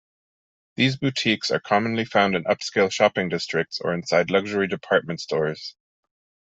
These boutiques are commonly found in upscale shopping districts or inside luxury department stores.